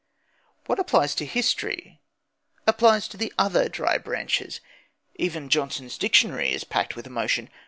What applies to history applies to the other "dry" branches. Even Johnson's Dictionary is packed with emotion.